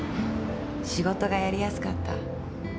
「仕事がやりやすかった」